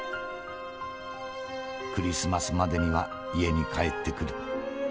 『クリスマスまでには家に帰ってくる』。